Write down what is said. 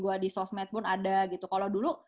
gue di sosmed pun ada gitu kalau dulu